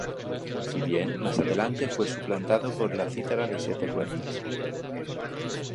Si bien, más adelante fue suplantado por la cítara de siete cuerdas.